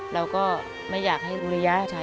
เราก็ไม่อยากให้อุริยะใช้